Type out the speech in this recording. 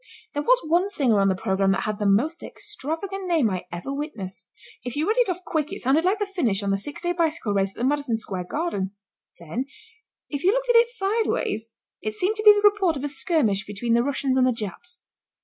There was one singer on the programme that had the most extravagant name I ever witnessed. If you read it off quick it sounded like the finish of the six day bicycle race at the Madison Square Garden. Then if you looked at it sideways it seemed to be the report of a skirmish between the Russians and the Japs.